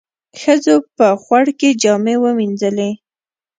ښځو په خوړ کې جامې وينځلې.